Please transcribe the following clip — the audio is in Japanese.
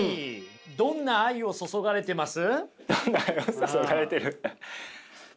「どんな愛を注がれてる」！？